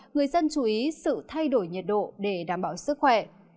người dân chú ý sự thay đổi nhiệt độ để đảm bảo sức khỏe